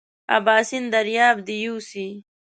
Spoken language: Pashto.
اباسین دریاب دې یوسي.